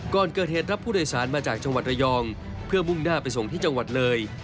ก่อนเกิดเหตุรับผู้โดยสารมาจากจังหวัดระยองเพื่อมุ่งหน้าไปส่งที่จังหวัดเลย